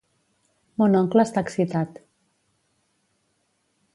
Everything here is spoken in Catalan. Mon oncle està excitat.